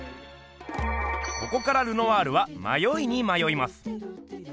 ここからルノワールはまよいにまよいます。